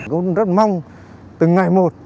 tôi rất mong từng ngày một